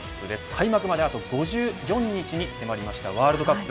開幕まであと５４日に迫ったワールドカップ。